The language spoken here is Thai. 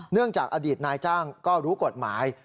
เนื่องจากอดีตนายจ้างก็รู้กฎหมาย